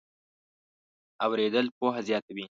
اورېدل پوهه زیاتوي.